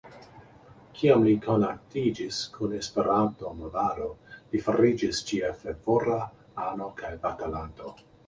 Kiam li konatiĝis kun Esperanto-movado, li fariĝis ĝia fervora ano kaj batalanto.